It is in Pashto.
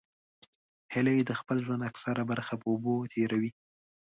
هیلۍ د خپل ژوند اکثره برخه په اوبو تېروي